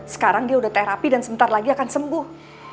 sekarang dia udah terapi dan sebentar lagi akan sembuh